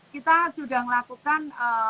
kita sudah lakukan